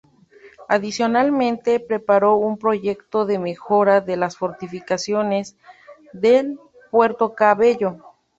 Adicionalmente preparó un proyecto de mejora de las fortificaciones de Puerto Cabello.